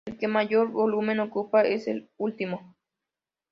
El que mayor volumen ocupa es este último.